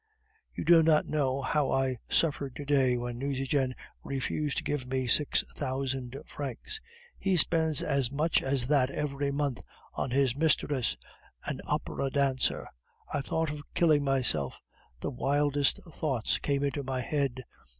"You do not know how I suffered to day when Nucingen refused to give me six thousand francs; he spends as much as that every month on his mistress, an opera dancer! I thought of killing myself. The wildest thoughts came into my head.